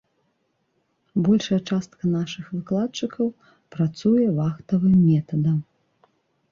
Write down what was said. Большая частка нашых выкладчыкаў працуе вахтавым метадам.